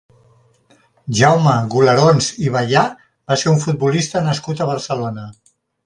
Jaume Gularons i Bayà va ser un futbolista nascut a Barcelona.